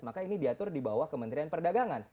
maka ini diatur di bawah kementerian perdagangan